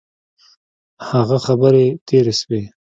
هغه خبري تیري سوې.